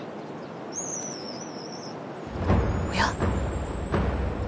おや？